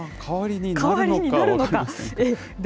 代わりになるのか分かりませんけど。